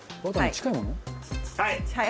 はい！